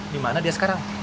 dimana dia sekarang